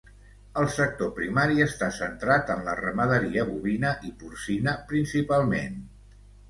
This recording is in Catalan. El sector primari està centrat en la ramaderia bovina i porcina principalment.